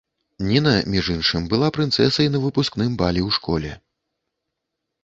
Ніна, між іншым, была прынцэсай на выпускным балі ў школе.